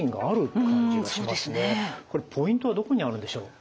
これポイントはどこにあるんでしょう？